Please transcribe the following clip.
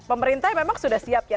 pemerintah memang sudah siap ya